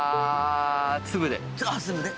粒で。